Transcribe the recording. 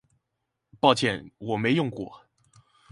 抱歉我沒用過